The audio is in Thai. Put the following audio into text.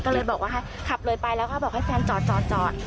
ก็เลยขับเร็วไปแล้วก็บอกให้แฟนจอด